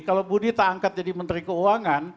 kalau budi tak angkat jadi menteri keuangan